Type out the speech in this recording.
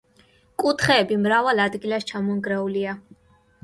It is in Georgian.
კუთხეები მრავალ ადგილას ჩამონგრეულია.